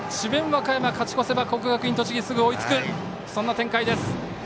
和歌山勝ち越せば国学院栃木すぐ追いつく、そんな展開です。